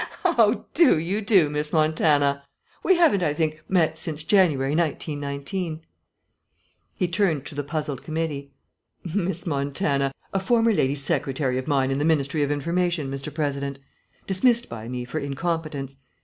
"How do you do, Miss Montana? We haven't, I think, met since January, 1919." He turned to the puzzled committee. "Miss Montana, a former lady secretary of mine in the Ministry of Information, Mr. President. Dismissed by me for incompetence.